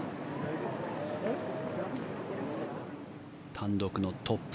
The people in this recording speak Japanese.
単独のトップ。